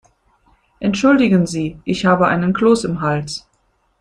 Entschuldigen Sie, ich habe einen Kloß im Hals.